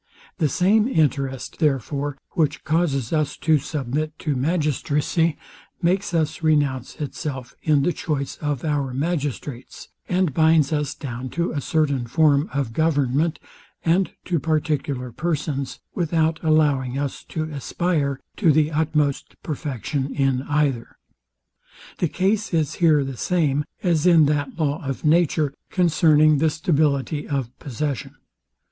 The same interest, therefore, which causes us to submit to magistracy, makes us renounce itself in the choice of our magistrates, and binds us down to a certain form of government, and to particular persons, without allowing us to aspire to the utmost perfection in either. The case is here the same as in that law of nature concerning the stability of possession.